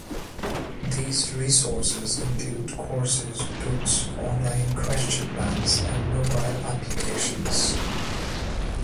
These resources include courses, books, online question banks and mobile applications.